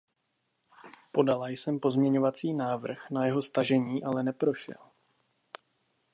Podala jsem pozměňovací návrh na jeho stažení, ale neprošel.